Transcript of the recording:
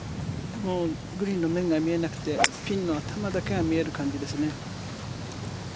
グリーンの面が見えなくてピンの頭だけが見える感じですね。